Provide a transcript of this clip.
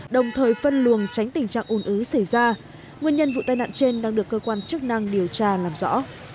đồng thời phân luồng tránh tình trạng ồn ứ xảy ra nguyên nhân vụ tai nạn trên đang được cơ quan chức năng điều tra làm rõ